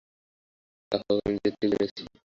তা হোক, আমি যে ঠিক জেনেছি।